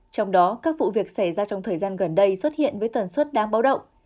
trong đó các vụ việc xảy ra trong thời gian gần đây xuất hiện với tần suất đáng báo động